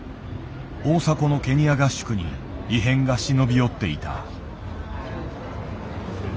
大迫のケニア合宿に異変が忍び寄っていた。